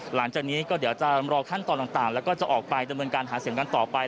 หลังจากนี้ก็เดี๋ยวจะรอขั้นตอนต่างแล้วก็จะออกไปดำเนินการหาเสียงกันต่อไป